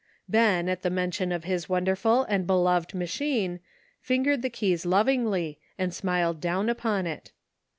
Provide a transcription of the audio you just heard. Ben, at the mention of his wonderful and beloved machine, fingered the keys lovingly, and smiled down upon it.